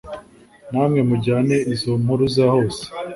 Namwe mujyane izo mpuruza hose